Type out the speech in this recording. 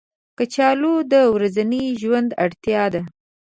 کچالو د ورځني ژوند اړتیا ده